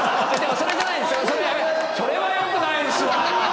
それそれはよくないですわ！